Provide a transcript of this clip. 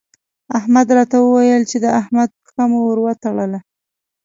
احمد راته وويل چې د احمد پښه مو ور وتړله.